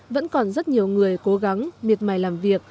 vẫn còn rất nhiều người cố gắng miệt mài làm việc